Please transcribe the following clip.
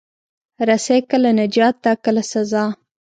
رسۍ کله نجات ده، کله سزا.